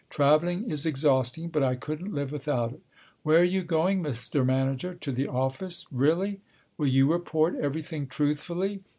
Travelling is exhausting, but I couldn't live without it. Where are you going, Mr. Manager? To the office? Really? Will you report everything truthfully?